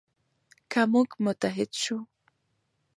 که موږ متحد شو.